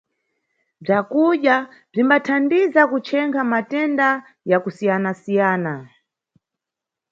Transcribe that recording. Bzakudya bzimbatithandiza kuchenkha matenda ya kusiyanasiyana.